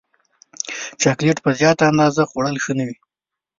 چاکلېټ په زیاته اندازه خوړل ښه نه دي.